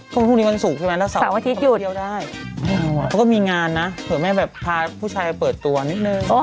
ตรงนี้มันสุขใช่ไหมแล้ว๓วันเดียวได้แล้วก็มีงานนะเผื่อไม่แบบพาผู้ชายเปิดตัวนิดนึง